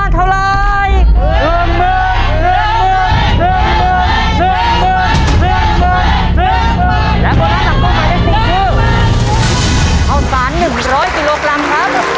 เร็ว